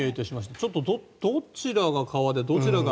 ちょっとどちらが川でどちらが。